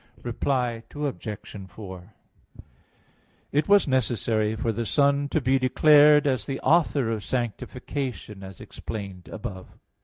Reply Obj. 4: It was necessary for the Son to be declared as the author of sanctification, as explained above.